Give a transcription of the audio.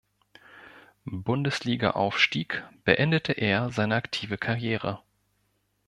Bundesliga aufstieg, beendete er seine aktive Karriere.